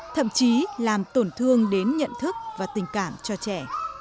thậm chí làm tổn thương đến nhận thức và tình cảm cho trẻ